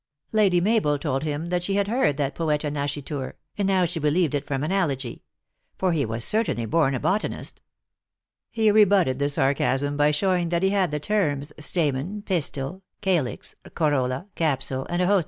Lady Mabel told him that she had heard th&tpoeta nascitur, and now she believed it from analogy ; for he was certainly born a botanist. He rebutted the sarcasm by showing that he had the terms stamen, pistil, calix, corolla, capsule, and a host 4* 90 THE ACTKESS IN HIGH LIFE.